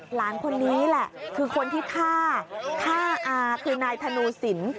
หลานคนนี้แหละคือคนที่ฆ่าฆ่าอาคือนายธนูสิน